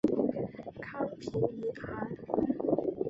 康皮尼昂。